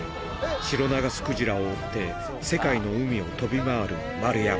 シロナガスクジラを追って、世界の海を飛び回る丸山。